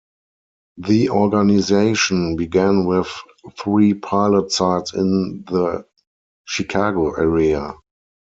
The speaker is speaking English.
The organization began with three pilot sites in the Chicago area.